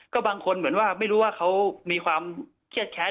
ก็บางคนเหมือนว่าไม่รู้ว่าเขามีความเครียดแค้น